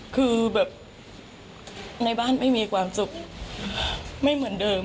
คือแบบในบ้านไม่มีความสุขไม่เหมือนเดิม